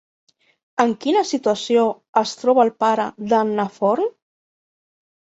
En quina situació es troba el pare d'Anna Forn?